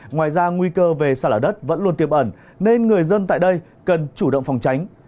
ngoài ra nguy cơ về sạt lở đất vẫn luôn tiềm ẩn nên người dân tại đây cần chủ động phòng tránh